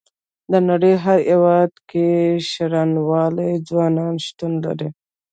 د نړۍ هر هيواد کې شرنوال ځوانان شتون لري.